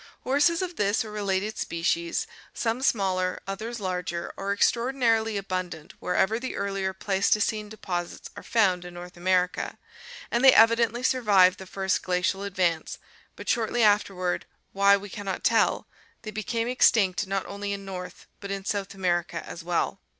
Horses of this or related species, some smaller, others larger, are extraordinarily abundant wherever the earlier Pleistocene deposits are found in North America and they evidently survived the first glacial advance, but shortly afterward, why we can not tell, they became extinct not only in North but in Fw 22s —Upper South America as well.